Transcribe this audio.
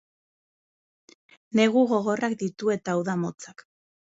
Negu gogorrak ditu eta uda motzak.